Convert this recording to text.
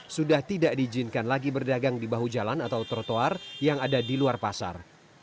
sudah tidak diizinkan lagi berdagang di bahu jalan atau trotoar yang ada di luar pasar